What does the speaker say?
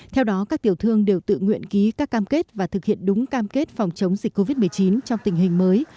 theo đó các tiểu thương đều tự nguyện ký các cam kết và thực hiện đúng cam kết phòng chống dịch covid một mươi chín trong tình hình mới